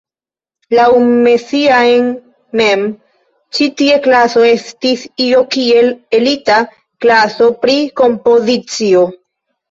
Laŭ Messiaen mem ĉi tiu klaso estis io kiel elita klaso pri kompozicio.